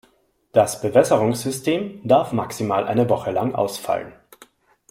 Das Bewässerungssystem darf maximal eine Woche lang ausfallen.